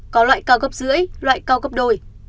có loại cao gấp giữa loại cao gấp đôi